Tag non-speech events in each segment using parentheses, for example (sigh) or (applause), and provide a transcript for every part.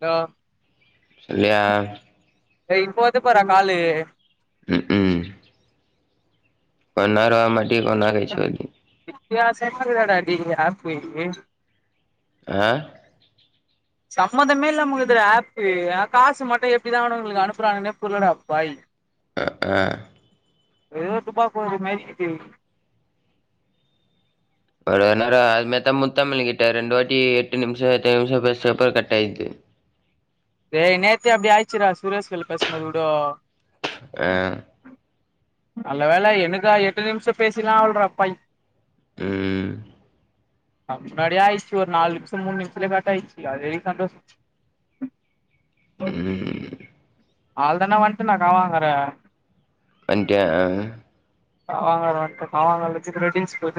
ஆ இல்லா ஏ இப்ப வர்து பார்றா காலு ம் ம் கொஞ்ச நேர ஆவங்காட்டி கொஞ்ச நேரங்கழிச்சி வருது (unintelligible) ஆ சம்மந்தமே இல்லாம வர்துடா ஆப்பு காசு மட்டு எப்டிதா அவுனுக அனுப்புறானுங்கனே புர்லடா பாயி ஆஹ் ஏதோ டுபாக்கூரு மாரி இக்கிது இவ்ளோ நேர அதுமார்த்தா முத்தமிழ் கிட்ட ரெண்டு வாட்டி எட்டு நிம்ஷ எட்டு நிம்ஷ பேசுனதுக்கப்ற கட் ஆயிடுச்சு (inaudible) ஏய் நேத்தே அப்டி ஆயிச்சுரா சுரேஷ்கல் பேசும்போது குடோ ஆஹ் நல்ல வேலை எனக்கா எட்டு நிமிஷ பேசிலா வல்ற பாயி ம் முன்னாடியே ஆயிருச்சு ஒரு நாலு நிம்ஷ மூணு நிம்ஷத்துலயே கட் ஆயிடுச்சு அதுவரைக்கு சந்தோஷ (inaudible) ம் அவ்ள தானா வன்ட்டனா காவாங்கற எங்கே ஆ ஹ காவங்கர வன்ட்டு காவாங்கரல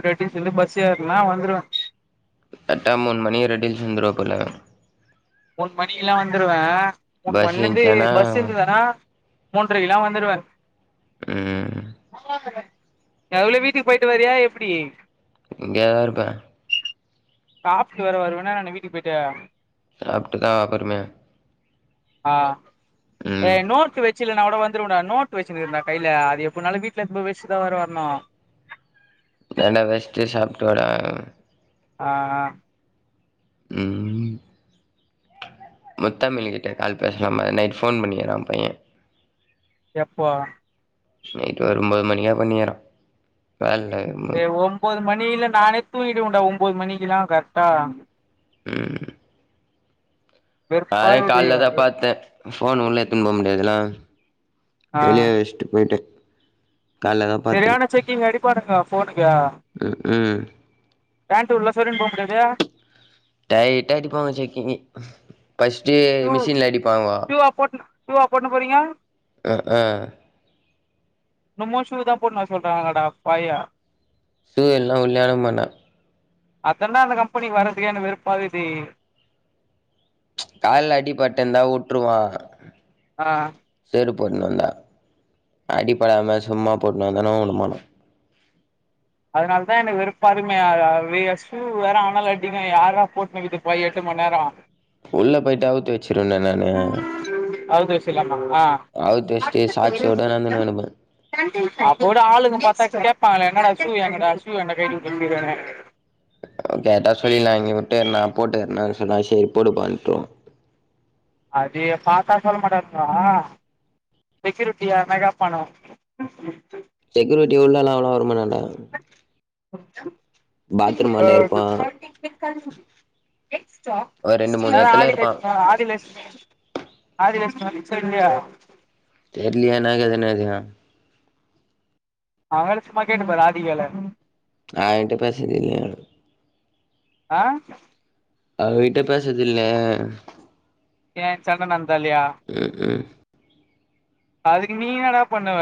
(unintelligible) பஸ் ஏறுனா வந்துருவே கரட்டா மூன் மணி (unintelligible) வந்துருவ போல மூணு மணிக்லா வந்துருவே மூணு பஸ் மணிலந்து இருந்துச்சானா பஸ் இந்துதுனா மூன்றைக்கில்லா வந்துருவ உம் நீ அதுக்குள்யு வீட்டுக்கு போய்ட்டு வரியா எப்பிடி இங்க தா இருப்ப சாப்ட்டு வேற வருவனா என்ன வீட்டுக்கு போய்ட்டு சாப்ட்டுதா வா பொறுமயா ஆ எ நோட் வெ இல்லனா கோட வந்துருவனா நோட் வச்சிருக்றன்டா கைல அது எப்புனாலு வீட்ல எத்து போயி வச்சுட்தா வேற வர்ணு (inaudible) அதெனா வெச்ட்டு சாப்ட்டு வாடா ஆ ஆ ம் முத்தமிழு கிட்ட கால் பேசலாமா நைட்டு ஃபோன் பண்ணிகிறா பைய எப்போ நைட்டு ஒரு ஒம்போது மணிகா பண்ணிகிறா டே ஒம்போது மணில நானே தூங்கிடுவண்டா ஒம்போது மணிங்லா கரட்டா ம் அதே வெறுப்பாகுது காலலதா பாத்த ஃபோன் உள்ள எத்துன் போ முடியாதுலா ஆ வெளியவே வெஸ்ட்டு போய்ட்டு சரியான செக்கிங் அடிப்பானுக ஃபோனுக்கு ம் ம் பேண்டு உள்ள சொறுவின்போ முடியாது டைட்டாடிப்பாங்க செக்கிங்கு ஃபர்ஸ்ட்டு மிஷின்ல அடிப்பாங்கோ ஷூ வா போட்ணு போறிங்க அ ஆ இன்னமு ஷூ தா போட்னு வர சொல்றாங்கடா பாயிக சூ இல்னா உள்ளயே உட மான்டா அதெல்லா அந்தப்கம்பெனிக் வர்றதுக்கே எனக் வெருப்பாகுதே கால்ல அடி பட்டுந்தா வுட்டுருவா ஆஹ் கடு போட்னு வந்தா அடிபடாம சும்மா போட்னு வந்தானு உடமாட்டா அதனாலதா எனக்கு வெறுப்பாருமையா அஹ் ஷூ வேற அனலடிக்கு யார்ரா போட்னுகிட்டு போயி எட் மண்ணேர உள்ள போயிட்டு அவுத்து வச்சிருவன்டா நானு ஆஹ் அவுத்து வச்சுட்டு அடுத்த சாக்ஸோட பேருந்து இடம் நடந்துன்னு இருப்பே அப்போட ஆளுங்க பாத்தா கேப்பாங்ளே என்னாடா ஷூ என்னடா ஷூ ஏன்டா கழுட்டிவுட்டுகறனு கேட்டா சொல்லில்லா இங்கியு வுட்டு நா போட்குரணா சொன்ன சேரி போடுபாண்றுவாங்க அதி பாத்தா சொல்ல மாட்டாங்கோ செக்கிருட்டி யார்னா கேப்பானுங்க செக்யூரிட்டி உள்ளலா அவ்ளோ வரமாட்டான்டா பாத்ரூமாண்ட இருப்பா ஆஹ் ஒரு ரெண்டு மூணு நல்லா எடத்துல ஆதி இருப்பா கேட் போறா ஆதிலஷ்மி ஆதிலஷ்மி வந்திச்சா இல்லியா தெர்லியே என்னாகேது என்னா அவல சும்மா கேட்டுப்பாரு ராதிகால அயின்ட்ட பேஸ்ரதில்யே ஆஹ் அவிங்கிட்ட பேசதில்ல ஏ சண்ட ன உம் உம் அதுக்கு நீ என்னடா பண்ணுவ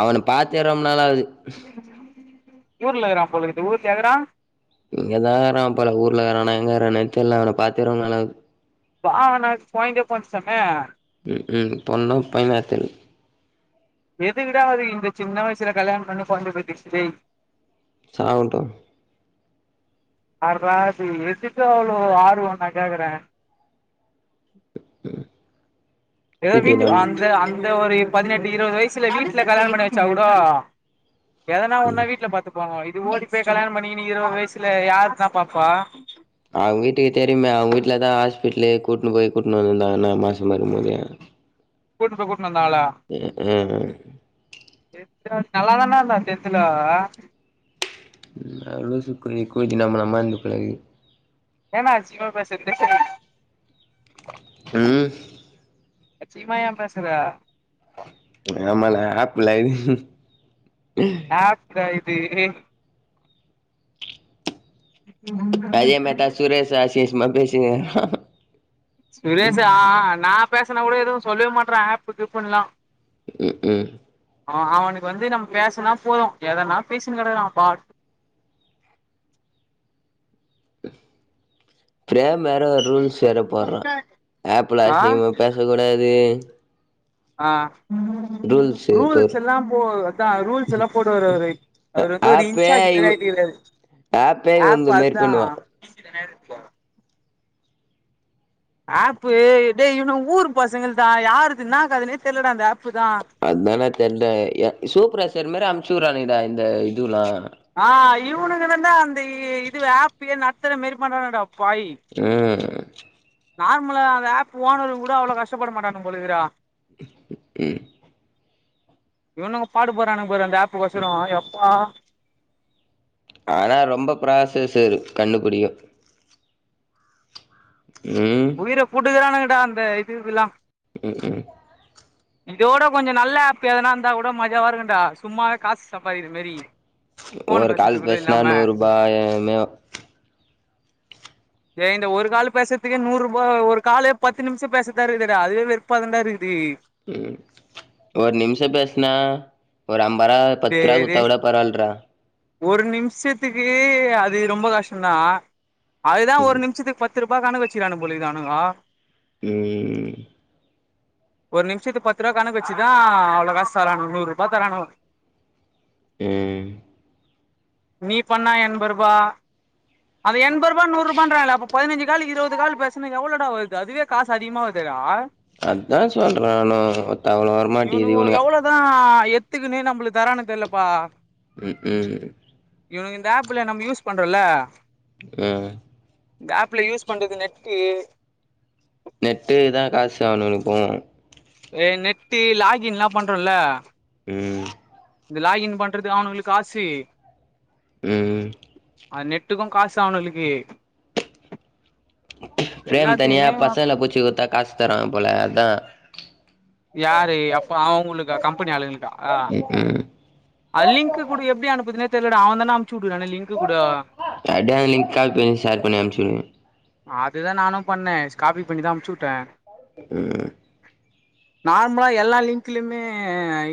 அவன பாத்தே ரொம்நாளாவது ஊர்ல இகுறா போலகுது ஊர்லியா இகுறா இங்கதாகரான்ப்பல ஊர்லவேறானா எங்ககரானே தெர்ல அவன பாத்தே ரொம்னாளாவுது வா நாக் போயந்தே போந்சாமே உம் பொண்ணு பைனத்தில் எது விடாவது இந்த சின்ன வயசுல கல்யாண பண்ணி கொழந்தைய பெத்துக்டு சாவுண்டும் ஆர்ரா நீ வச்சுட்டு அவ்வளவு ஆர்வ நா கேக்குறே ஏதோ வீட் பூஜ்ஜியம் நம் அந்த அந் இந்த ஒரு பதினெட்டு இருவது வயசுல வீட்டுல கல்யான பண்ணி வச்சா கூட எதனா ம் ஒன்னா வீட்டுல பாத்துக்கு வாங்க இது ஓடி போய் கல்யாண பண்ணிகின்னு இருவது வயசுல யார்த பா பா அவங்க வீட்டுக்கு தெரியுமே அவங்க வீட்டுலதா ஹாஸ்பிடல் கூட்டுனு போய் கூட்டுனு வந்துருந்தாங்க என்ன மாசமா இருக்கு போது கூட்டுனு போ உம் உம் நல்லாதானே இருந்தா டென்த்துலே அவ இல்லே லூசு கூதி கூதி நம்மல மாரி இருந்து பழகு ஏன்டா அசிங்கம பேசற (unintelligible) உம் அசிங்கம ஏன் பேசுற ஆமால்ல ஆப்லே இது ஆப் டா இது அதே மாரிதா சுரேஷ் அசிங்க அசிங்கம பேசிட்டுருந்தா சுரேஷ் ஆஹ் நா பேசன கூட எதுவு சொல்லவே மாட்டுகிறா ஆப் கிப் புன்ல உம் உம் ஆ அவனுக்கு வந்து நம்ம பேசனா போது எதன்னா பேசின்னு கிடக்குறா அவன் பா பேப் வேற ஒரு ரூல்ஸ் வேற போடுறா ஆப் புள்ளே ஆ அசிங்கம பேசக்கூடாது ஆஹ் ரூல்ஸு போர் ரூல்ஸ் எல்லா போ அத ரூல்ஸ் எல்லா போடு வாரு அவர் அவர் வந்து ஒரு ஆப்பே இன்சார்ஜ் மாரி இவ் ஆய்ட்டுருக்க ஆப்பே இவ இந்த ஆப் மாரி அதுதா பண்ணுவா ஆப் டேய் இவனுங்க ஊரு பசங்கள் தா யார் இது என்ன கதை ன்னே தெரியலடா அந்த ஆப் அதானே தெரிலே யா சூப்பரேஸ்ஸர் மாரி அனுப்ச்சு உடுராங்டா இந்த இதுவுல்லா ஆஹ் இவனுங்க ந்தா அந்த இது ஆப்பயே நடடுத்துற மாரி பண்ணுரானுங்கட உப்பாய் ம் நார்மலா அந்த ஆப் ஓனறு கூட அவ்ளோவ் கஷ்டப்பட மாட்டானுங்க போல ருக்குடா உம் இவன்னுங்க பாடு போறானுங்க பாரு அந்த ஆப்புக்கு ஒசரோ எப்பா ஆனா ரொம்ப ப்ராசஸ்சு கண்ணுபடியு உயிர புட்டுக்கறானுங்கடா அந்த இது இதுதெல்லா உம் உம் இதோட கொஞ்ச நல்ல ஆப் ஏதுனா இருந்தா கூட மஜாவா இருக்குடா சும்மாவே காசு சாப்பாதிக்கிற மாரி ஃபோன் ஒரு கால் பேசுறதுக்கு கூட பேசனா இல்லாம நூறு ரூபாயமே ஏ இந்த ஒரு கால் பேசறதுக்கே நூறு ரூபாய் ஒரு காலே பத்து நிமிஷ பேசுரதா இருக்குதுடா அதுவே வெறுப்பாதான்டா இருக்குது ம் ஒரு நிமிஷ பேசுனா ஒரு அம் பரா டே பத்துருவ டே குடுத்தா கூட பரவாயில்றா ஒரு நிமிஷத்துக்கு அது ரொம்ப கஷ்ட தா அதுதா ஒரு ம் நிமிஷத்துக்கு பத்து ரூபா பா கணக்கு வச்சிரனுங்க போலிருக்கு அனுங்க உம் ஒரு நிமிஷத்து பத்து ரூபா கணக்கு வச்சுதா அவ்வளோ காசு தரணுங்க நூறு ரூபாய் தரணுங்க உம் நீ பண்ணா எண்பது ரூபா அது எண்பது ரூபா நூறு ரூபாங்கிறாங்களே அப்ப பதினஞ்சு கால் இருபது கால் பேசுனா எவ்ளோடா வருது அதுவே காசு அதிகமா வருதேடா அதுதா சொல்றே நானு ஓத்த அவ்வனுங்க வரமாட்டிங்குது இவனுங்கோ இனுங்க எவ்ளோதா எத்துக்குன்னு நம்மளுக்கு தரானுங்க தெரியலப்பா உம் உம் இவங்க இந்த ஆப்ல நம்ம யூஸ் பண்றோம்ல்ல ஆஹ் இந்த ஆப்ல யூஸ் பண்றது நெட்டு நெட்டு இததான் காசு ஆகணும் நினைப்போம் நெட்டு் லாகின் எல்லாம் பண்றோம்ல உம் இந்த லாகின் பண்றது அவனுங்களுக்கு காசு ஆஹ அ் நெட்டுக்கும் காசு ஆவணுகளுக்கு பிரேம் தனியா பசல புச்சு குத்தா காசு தராங்க போல அதான் யாரு அப்ப அவங்களுக்கா கம்பெனி ஆளுங்களுக்காஹ ம் ம் அல்லிங்க குடு எப்படி அனுப்புத்தன தெர்லடா அவன் தான் அ சடுடான்டா லிங்கு கூட அப்டியே அந்த லிங்க் காப்பி பண்ணி ஷேர் பண்ணி அனுப்ச்சுடுங்க இதுதான் நானும் பண்ணேன் காப்பி பண்ணி தான் அன்ப்புச்சு விட்டேன் உஹம் நார்மலா எல்லா லிங்க்க்லயுமே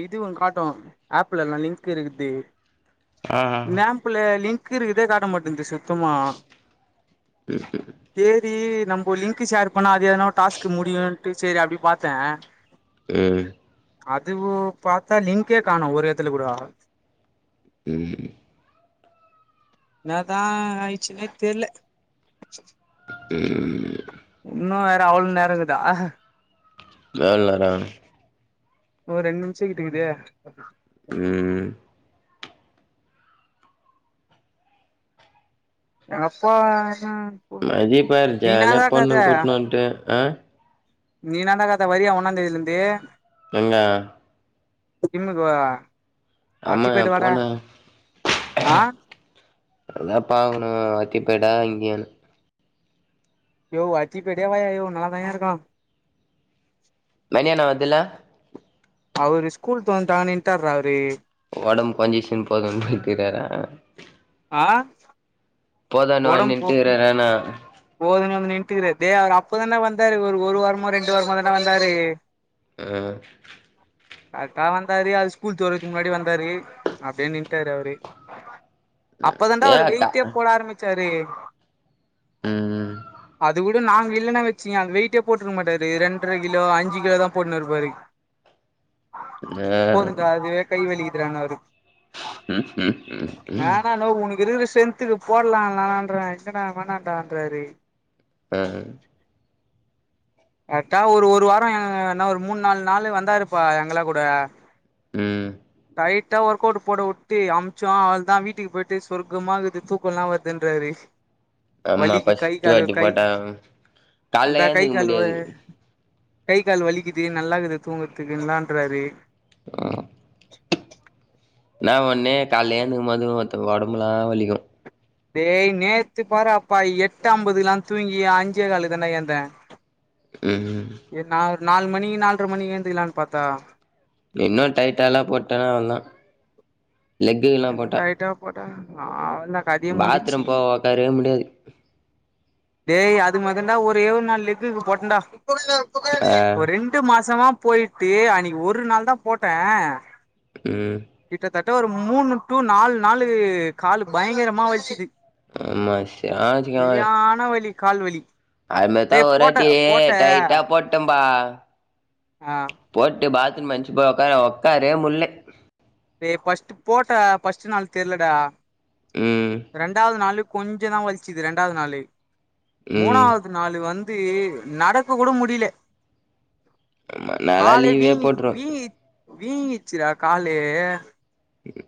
இது ஒரு காட்டும் ஆப்புல எல்லாம் லிங்க் இருக்குது ஆ மேப்ல லிங்க் இருக்குதே காட்ட மாட்டேங்கு ச த்தமா சேரி நம்ம லிங்க் ஷேர் பண்ணா அதே ஏதனா டாஸ்க் முடீயுன்ட்டு சரி அப்படி பார்த்தேன் உம் அது பார்த்தா லிங்கங்கே காணும் ஒரு இடத்துல கூட உஹம் என்னாதான் ஆயிடுச்சுன்னே தெரியல உம் இன்னும் வேற அவ்வளவு நேரம்ங்கதா வேட (inaudible) ஒரு ரெண்டு நிமிஷம் கிட்டக்குதே ம் எங்க அப்பா மதியப்பாரு ஜாலிய கத பொண்ணு கூட்டணுட்டு ஆஹ நீ நடாக்கத்த வரியா ஒன்னா தேதியில இருந்தே எங்க ஜிம்முக்கு வா ஆமா போடா ஆ அதான் பாக்கணும் எத்திப்படா இங்கயான் யோ வாச்சி பேடாவாயா யோ நல்லா தா இருக்கா மணியாண்ணா வருதுல அவரு ஸ்கூல் தெரந்துடா நின்ட்டார்ரா அவரு உடம்ப கொஞ்ச சின் போதும்ன்னு போயட்டுறாரா ஆஹ போட போ வந்துட்டுக்கிறாரானா போதுனந்து கட்டுக்கறே அவரு அப்பதானே வந்தாரு ஒரு வாரமோ ரெண்டு வாரமோ தானே வந்தாரு ஆஹ் கரெக்டா வந்தாரு அது ஸ்கூல் தெர்றதுக்கு முன்னாடி வந்தாரு அப்படின்னு நின்ட்டாரு அவரு அப்பதண்டா ஏ ஒரு அக்கா வெயிட்டே போட ஆரம்பிச்சு சரி ம் அது கூட நாங்க இல்லைன்னா வச்சீங்க அ வெயிட்டே போட்டுருக்க மாட்டாரு ரெண்டரை கிலோ அஞ்சு கிலோ தான் போட்டுனு இருப்பாரு ஆ போதும்டா அதுவே கை வலிக்கிதுனுரா அவரு உஹம் உஹம் உம் வேணானோ உம் (inaudible) ஆ கரெக்டா ஒரு ஒரு வாரோ ஏ என்னா ஒரு மூணு நாலு நாளு வந்தாருப்பா எங்கள கூட ம் லைட்டா ஒர்க் அவுட் போட வுட்டு அம்ச்சோ அவ்ளதா வீட்டுக்கு போயிட்டு சொர்க்கமாக்குது தூக்கல்லா வருதுன்றாரு ஆமா வலிக்கி கை ஃபஸ்ட்டு காலு வாட்டி கை போட்டா கால்ல அந்தா கை ஏந்துக்க காலு வ முடியாது கை கால் வலிக்குது நல்லாக்குது தூங்கறதுக்கெல்லான்றாரு ஆ என்னா ஒண்ணு கலேல எழுந்துக்கும் போது ஒத்த உடம்பெல்லா வலிக்கு டேய் நேத்து பார்ராப்பா எட்டு அம்பதுல்லா தூங்கி அஞ்சே காலுக்கு தாண்டா ஏந்தே ம் நா நாலு மணி நாலரை மணி எழுந்துக்கலான்னு பாத்தா இன்னு டைட்டால்லா போட்டேனா வந்தா லெக்குல்லா போட்டா அவ்ளோ தா கதயே முஞ்சிச்சி பாத்ரூம் போக ஒக்காரவே முடியாது டேய் அது மாதி தாண்ட ஒரே ஒரு நாள் லெக்குக்கு போட்டேன்டா ஆ ரெண்டு மாசமா போயிட்டு அன்னக்கி ஒரு நாள் தா போட்டே ம் கட்ட ஒரு மூணு டூ நாலு நாளு காலு பயங்கரமா வலிச்சது ஆமா சியாஜ் கா கால்வலி அதுமாதித்தா ஒருராட்டி டைட்டா போட்டேப்பா ஆ போட்டு பாத்ரூம் போய் எஞ்சி போய் ஒக்கார்ரே ஒக்காரவே முல்ல ஏய் ஃபஸ்ட் போட்ட ஃபஸ்ட் நாள் தெர்லடா ம் ரெண்டாவது நாளு கொஞ்ச தா வலிச்சது ரெண்டாவது நாளு ம் மூணாவது நாளு வந் து நடக்க கூட முடிலே ஆமா நாலா காலே லீவே வீங்கி போட்ருவே வீங்கி வீங்கிருச்சுட காலு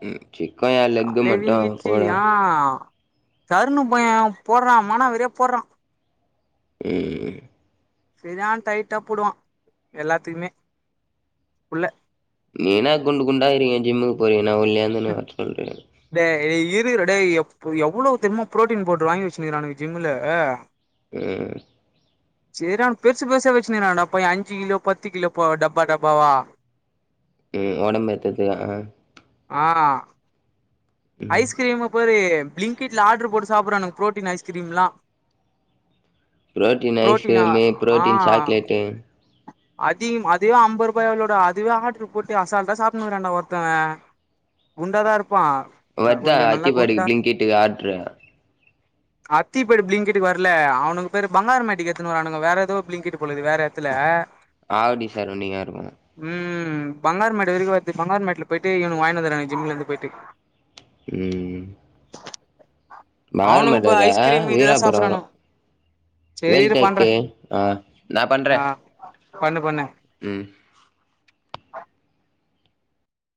ம் சிக்கயா லெக்கு காலே மட்டு வீங்கிச்சு ஓல ஆ தருணு பைய போட்றா மானாவாரியா போட்றா ம் செரியான டைட்டா போடுவா எல்லாத்தயுமே உள்ள நீனா குண்டு குண்டா இருக்கே ஜிம்முக்கு போறீனா நா ஒல்லியா (unintelligible) டேய் இருடா டேய் எப் எவ்ளோ தெரிமா புரோட்டீன் பவுடர் வாங்கி வெச்சினுருக்கானுக ஜிம்ல அ ம் செரிறா பெருசு பெருசா வெச்சினுருறான்டா பைய அஞ்சி கிலோ பத்து கிலோ போ டப்பா டப்பாவா ம் ஒடம்ப ஏத்து துக்கா ஆ ஐஸ்கிரீமபாரு பிளிங்க்ட்ல ஆட்ரு போட்டு சாப்ட்றானுக புரோட்டீன் ஐஸ்கிரீம்லா புரோட்டீன் புரோட்டீனா ஐஸ்கிரீம் புரோட்டீன் சாக்லேட்டு அதியு அதுவே அம்பருபாய் எவ்ளோ டா அதுவே ஆட்ரு போட்டு அசால்ட்டா சாப்டின்னு இருக்கறாண்டா ஒருத்தவே குண்டாதா இருப்பா ந வருதா கொஞ்சோ நல்லா அத்திப்பாடிக்கு குண்டா பிளிங்கிட்டுக்கு ஆட்ரு அத்திப்பட்டு பிலிங்கிட்க்கு வரல அவனுங்க பேரு பங்காரு மேட்டிக்கு எடுத்துன்னு வரானுங்க வேற ஏதோ பிலிங்கிட் போல இது வேற எட்த்துல ஆவடி சார் நீங் ஏறுங்க ம் பங்காரு மேடு வரக்கி வருது பங்காரு மேட்ல போயிட்டு இவனுக வாங்கின்னு வந்துறான்னுக ஜிம்ல இருந்து போயிட்டு ம் பங்காரு அவனுங்க மேடு இப்ப இல்ல ஐஸ்கிரீம் இதுதா வீராபுர வரு சாப்புட்றானுவோ சேரிரு பண்றே வேல்டேக்கு ஆ நா பண்றே ஆ பண்ணு பண்ணு ம் (unintelligible)